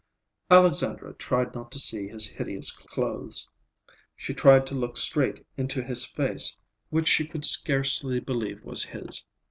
Alexandra tried not to see his hideous clothes. She tried to look straight into his face, which she could scarcely believe was his.